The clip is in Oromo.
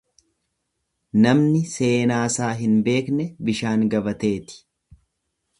Namni seenaasaa hin beekne bishaan gabateeti.